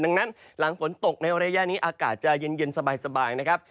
ดังนั้นหลังฝนตกในระยะนี้อากาศจะเย็นสบายนะครับ